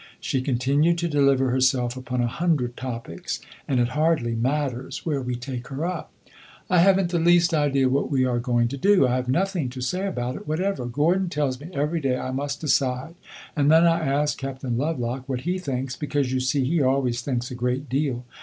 She continued to deliver herself upon a hundred topics, and it hardly matters where we take her up. "I have n't the least idea what we are going to do. I have nothing to say about it whatever. Gordon tells me every day I must decide, and then I ask Captain Lovelock what he thinks; because, you see, he always thinks a great deal.